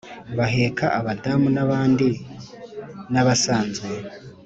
Buheka Abadamu nabandi nabsanzwe